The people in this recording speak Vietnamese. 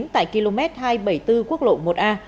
tại km hai trăm bảy mươi bốn quốc lộ một a